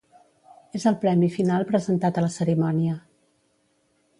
És el premi final presentat a la cerimònia.